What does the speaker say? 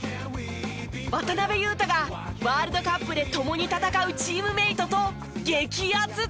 渡邊雄太がワールドカップで共に戦うチームメートと激アツトーク！